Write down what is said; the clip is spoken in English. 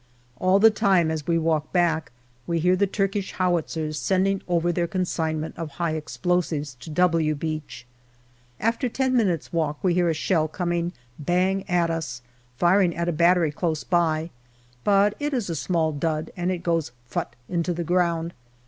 All the time, as we walk back, we hear the Turkish howitzers sending over their consignment of high explosives to " W " Beach. After ten minutes' walk we hear a shell coming bang at us, firing at a battery close by ; but it is a small dud, and it goes " fut " into the ground.